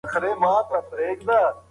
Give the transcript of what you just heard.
هر څومره چې پوهه زیاتیږي تعصب کمیږي.